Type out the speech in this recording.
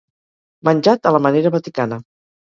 Menjat a la manera vaticana.